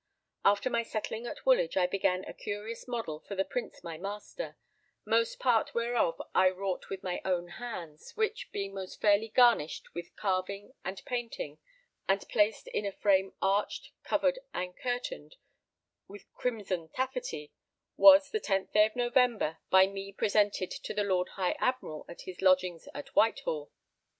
After my settling at Woolwich I began a curious model for the Prince my master, most part whereof I wrought with my own hands; which being most fairly garnished with carving and painting, and placed in a frame arched, covered, and curtained with crimson taffety, was, the 10th day of November, by me presented to the Lord High Admiral at his lodging at Whitehall.